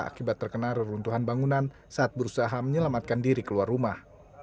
akibat terkena reruntuhan bangunan saat berusaha menyelamatkan diri keluar rumah